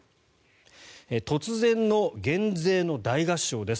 突然の減税の大合唱です。